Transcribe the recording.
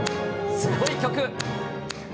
すごい曲。